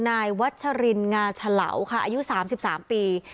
นายวัชรินงาฉลาค่ะอายุ๓๓ปี